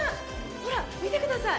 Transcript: ほら、見てください。